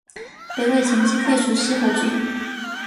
北魏前期废除西河郡。